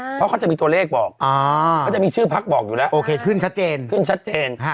เพราะเขาจะมีตัวเลขบอกเขาจะมีชื่อพักบอกอยู่แล้วขึ้นชัดเจน